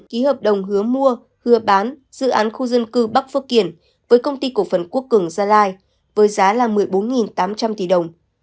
ký hợp đồng hứa mua hứa bán dự án khu dân cư bắc phước kiển với công ty cổ phần quốc cường gia lai với giá là một mươi bốn tám trăm linh tỷ đồng